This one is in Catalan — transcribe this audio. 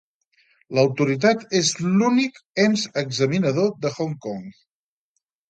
L'autoritat és l'únic ens examinador de Hong Kong.